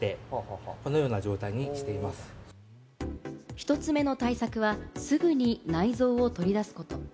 １つ目の対策は、すぐに内臓を取り出すこと。